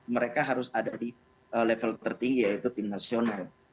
mereka harus ada di level tertinggi yaitu tim nasional